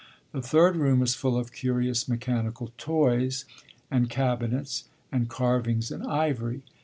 The third room is full of curious mechanical toys, and cabinets, and carvings in ivory.